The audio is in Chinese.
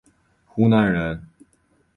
湖南人。